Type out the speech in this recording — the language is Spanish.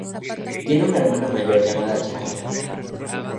Tiene una hermana mayor llamada Chyna.